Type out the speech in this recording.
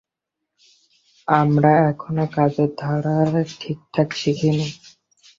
আমরা এখনও কাজের ধারা ঠিক ঠিক শিখিনি।